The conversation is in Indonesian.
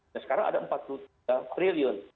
sekarang ada rp empat puluh tiga triliun